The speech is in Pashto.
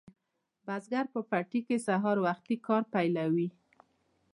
بزګر په پټي کې سهار وختي کار پیلوي.